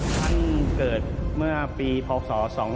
ท่านเกิดเมื่อปีพศ๒๕๖